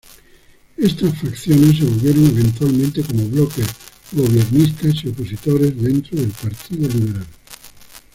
Estas facciones se volvieron eventualmente como bloques gobiernistas y opositores dentro del Partido Liberal.